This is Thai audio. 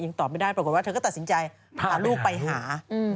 ตอบไม่ได้ปรากฏว่าเธอก็ตัดสินใจพาลูกไปหา